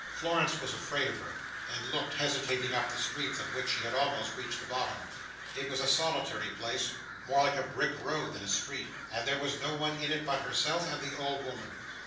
Florence was afraid of her, and looked, hesitating, up the street, of which she had almost reached the bottom. It was a solitary place—more a back road than a street—and there was no one in it but her self and the old woman.